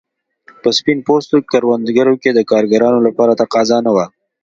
په سپین پوستو کروندو کې د کارګرانو لپاره تقاضا نه وه.